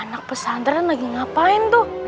anak pesantren lagi ngapain tuh